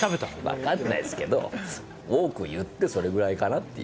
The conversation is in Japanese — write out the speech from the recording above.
分かんないですけど多く言って、それぐらいかなって。